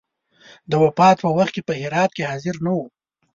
د وفات په وخت کې په هرات کې حاضر نه وو.